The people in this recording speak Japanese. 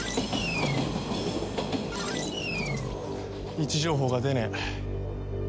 位置情報が出ねえ。